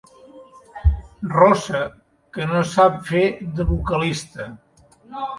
Rossa que no sap fer de vocalista.